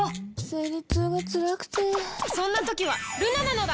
生理痛がつらくてそんな時はルナなのだ！